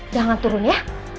jangan turun ya